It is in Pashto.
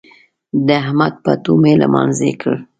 د احمد پټو مې لمانځي کړ.